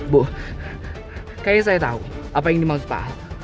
bu kayaknya saya tahu apa yang dimaksud pak